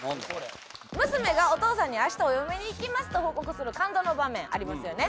娘がお父さんに「明日お嫁に行きます」と報告する感動の場面ありますよね。